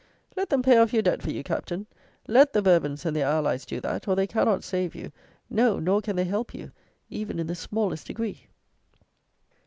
Let them pay off your debt for you, Captain; let the Bourbons and their allies do that; or they cannot save you; no, nor can they help you, even in the smallest degree.